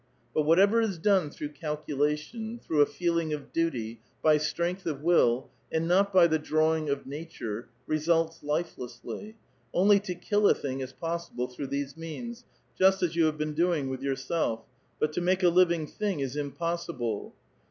But ^*^^tever is done through calculation, through a feeling of ^^^tj, by strength of will, and not by the drawing of nature, ^^^Tilts lifelessly. Only to kill a thing is possible through "^^se means, just as you have been doing with yourself, but ^ tnake a living thing is impossible."